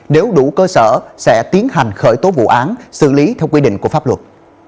nếu đủ cơ sở sẽ tiến hành khởi tố vụ án xử lý theo quy định của pháp luật